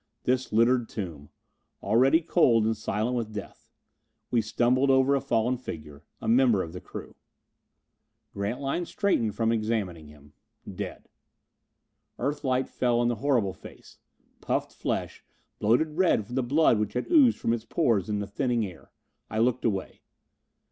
This littered tomb! Already cold and silent with death. We stumbled over a fallen figure. A member of the crew. Grantline straightened from examining him. "Dead." Earth light fell on the horrible face. Puffed flesh, bloated red from the blood which had oozed from its pores in the thinning air. I looked away.